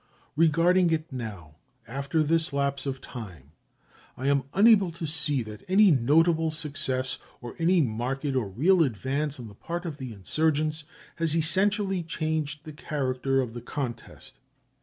Regarding it now, after this lapse of time, I am unable to see that any notable success or any marked or real advance on the part of the insurgents has essentially changed the character of the contest.